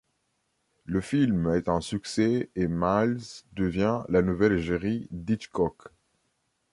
Le film est un succès et Miles devient la nouvelle égérie d'Hitchcock.